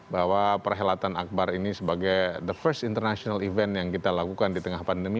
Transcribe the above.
bahwa perhelatan akbar ini sebagai the first international event yang kita lakukan di tengah pandemi